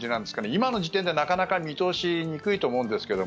今の時点でなかなか見通しにくいと思うんですけど。